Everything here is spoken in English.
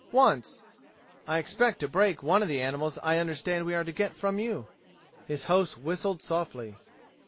"Once. I expect to break one of the animals I understand we are to get from you." His host whistled softly.